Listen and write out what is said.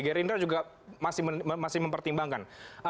gerindra juga masih mempertimbangkan